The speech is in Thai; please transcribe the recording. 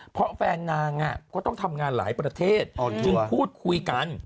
เพราะแฟนนางก็ต้องทำงานหลายประเทศจึงพูดคุยกัน